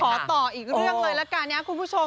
ขอต่ออีกเรื่องเลยแหละค่ะนะครับคุณผู้ชม